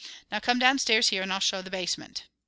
Now come downstairs here and I'll show the basement."